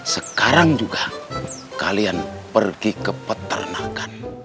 sekarang juga kalian pergi ke peternakan